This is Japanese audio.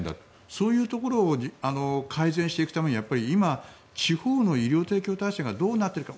そういうところを改善していくために今、地方の医療提供体制がどうなっているか